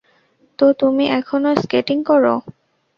তো, তুমি এখনো স্কেটিং করো?